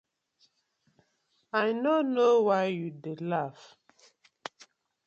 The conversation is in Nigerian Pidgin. I no no wai yu dey laff.